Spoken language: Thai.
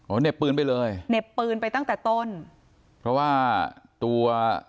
เหน็บปืนไปเลยเหน็บปืนไปตั้งแต่ต้นเพราะว่าตัว